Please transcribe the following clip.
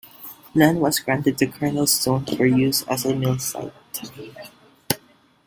Land was granted to Colonel Stone for use as a mill site.